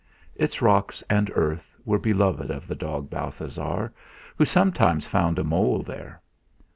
Its rocks and earth were beloved of the dog Balthasar, who sometimes found a mole there.